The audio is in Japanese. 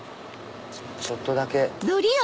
ちょっとだけ。